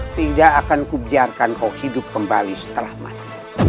tidak akan kubiarkan kau hidup kembali setelah mati